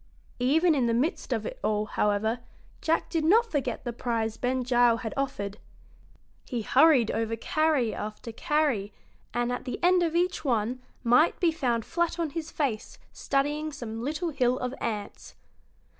Even in the midst of it all, however, Jack did not forget the prize Ben Gile had offered. He hurried over carry after carry, and at the end of each one might be found flat on his face studying some little hill of ants.